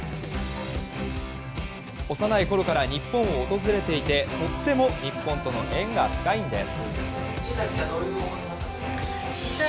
幼いころから日本を訪れていてとても日本との縁が深いんです。